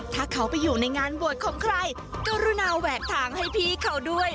ถ้าเขาไปอยู่ในงานบวชของใครกรุณาแหวกทางให้พี่เขาด้วย